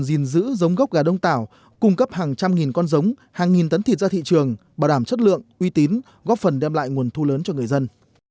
gìn giữ giống gốc gà đông tảo cung cấp hàng trăm nghìn con giống hàng nghìn tấn thịt ra thị trường bảo đảm chất lượng uy tín góp phần đem lại nguồn thu lớn cho người dân